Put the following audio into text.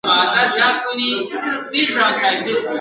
له ظالمه به مظلوم ساتل کېدلای !.